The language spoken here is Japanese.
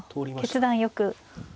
決断よく。